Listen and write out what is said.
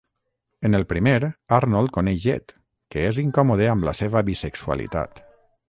En el primer, Arnold coneix Ed, que és incòmode amb la seva bisexualitat.